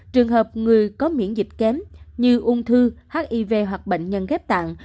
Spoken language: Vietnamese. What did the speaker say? trường hợp người có miễn dịch kém như ung thư hiv hoặc bệnh nhân ghép tạng